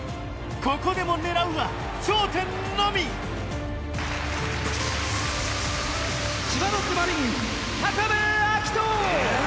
ここでも狙うは頂点のみ千葉ロッテマリーンズ・部瑛斗！